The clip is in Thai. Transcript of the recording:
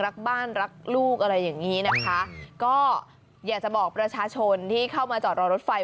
รักบ้านรักลูกอะไรอย่างนี้นะคะก็อยากจะบอกประชาชนที่เข้ามาจอดรอรถไฟ